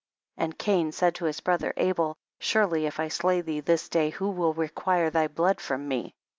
And Cain said to his brother Abel, surely if I slay thee this day, who will require thy blood from me